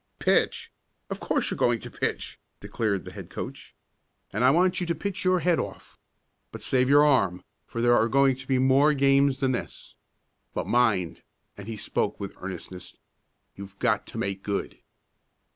"Pitch! Of course you're going to pitch," declared the head coach. "And I want you to pitch your head off. But save your arm, for there are going to be more games than this. But, mind!" and he spoke with earnestness. "You've got to make good!"